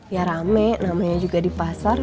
ya rame namanya juga di pasar